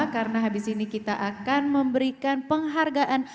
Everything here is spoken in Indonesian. karena habis ini kita akan memberikan penghargaan